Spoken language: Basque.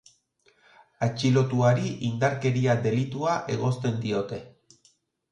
Atxilotuari indarkeria delitua egozten diote.